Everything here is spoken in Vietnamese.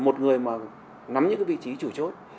một người mà nắm những vị trí chủ chốt